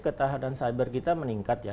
ketahanan cyber kita meningkat ya